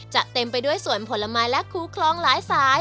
จะเต็มไปด้วยสวนผลไม้และคูคลองหลายสาย